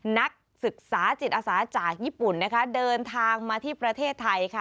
นักศึกษาจิตอาสาจากญี่ปุ่นนะคะเดินทางมาที่ประเทศไทยค่ะ